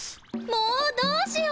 もうどうしよう？